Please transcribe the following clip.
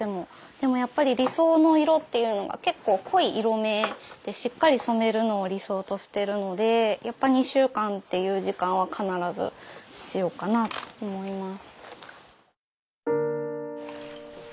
でもやっぱり理想の色っていうのが結構濃い色目でしっかり染めるのを理想としてるのでやっぱ２週間っていう時間は必ず必要かなと思います。